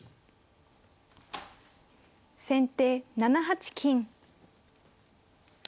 先手７八金。